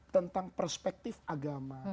tentang perspektif agama